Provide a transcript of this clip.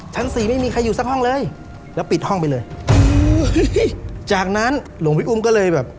ชั้นสี่ไม่มีใครอยู่สักห้องเลยแล้วปิดห้องไปเลยจากนั้นหลวงพี่อุ้มก็เลยแบบ